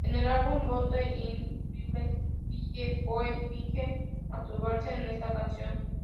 En el álbum "Bullet in a Bible" Billie Joe finge masturbarse en esta canción.